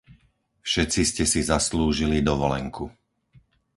Všetci ste si zaslúžili dovolenku.